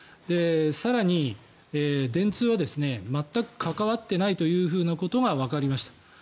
更に、電通は全く関わっていないということがわかりました。